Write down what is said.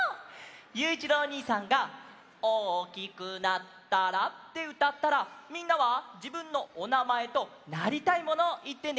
ゆういちろうおにいさんが「おおきくなったら」ってうたったらみんなはじぶんのおなまえとなりたいものをいってね！